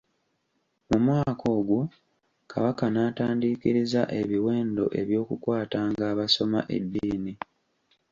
Mu mwaka ogwo, Kabaka n'atandiikiriza ebiwendo eby'okukwatanga abasoma eddiini.